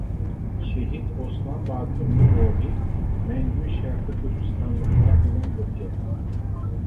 شېھىت ئوسمان باتۇرنىڭ روھى مەڭگۈ شەرقى تۈركىستانلىقلار بىلەن بىرگە.